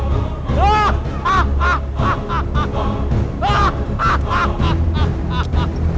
buso kopapan bongso telah lahir